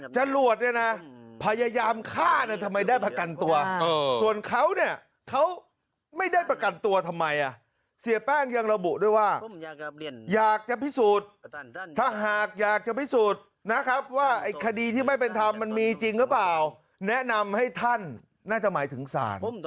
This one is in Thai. จรวดเนี่ยนะพยายามฆ่าเนี่ยทำไมได้ประกันตัวส่วนเขาเนี่ยเขาไม่ได้ประกันตัวทำไมเสียแป้งยังระบุด้วยว่าอยากจะพิสูจน์ถ้าหากอยากจะพิสูจน์นะครับว่าไอ้คดีที่ไม่เป็นธรรมมันมีจริงหรือเปล่าแนะนำให้ท่านน่าจะหมายถึงศาล